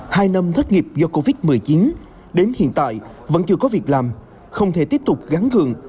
hai năm thất nghiệp do covid một mươi chín đến hiện tại vẫn chưa có việc làm không thể tiếp tục gắn gường